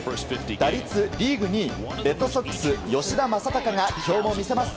打率リーグ２位レッドソックス、吉田正尚が今日も魅せます。